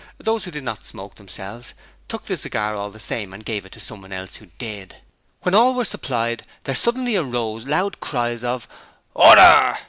Those who did not smoke themselves took the cigar all the same and gave it to someone else who did. When all were supplied there suddenly arose loud cries of 'Order!'